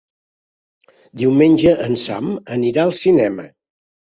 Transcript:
Diumenge en Sam anirà al cinema.